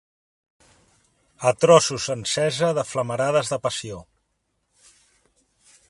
A trossos encesa de flamerades de passió